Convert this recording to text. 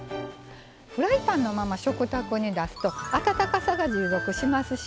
フライパンのまま食卓に出すと温かさが持続しますしね